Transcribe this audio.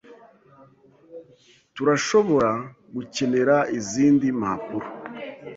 Turashobora gukenera izindi mpapuro.